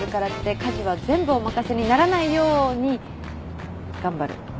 家事は全部お任せにならないように頑張る。